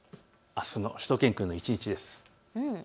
あすのしゅと犬くんの一日です。